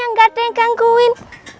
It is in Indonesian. yang gak ada yang gangguin